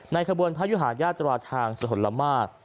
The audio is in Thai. ขบวนพระยุหาญาตราทางสถลมาก